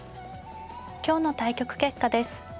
今日の対局結果です。